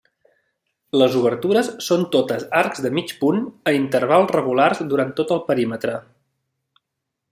Les obertures són totes arcs de mig punt a intervals regulars durant tot el perímetre.